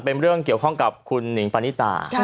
เป็นเรื่องเกี่ยวข้องกับคุณหนิงปานิตา